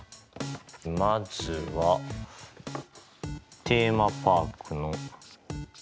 まずはテーマパークの「テ」。